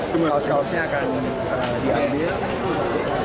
kaos kaosnya akan diambil